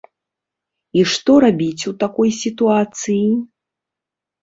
І што рабіць у такой сітуацыі?